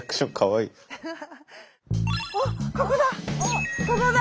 おっここだ！